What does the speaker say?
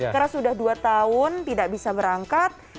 karena sudah dua tahun tidak bisa berangkat